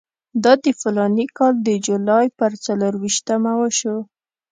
دا د فلاني کال د جولای پر څلېرویشتمه وشو.